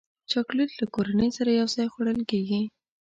چاکلېټ له کورنۍ سره یوځای خوړل کېږي.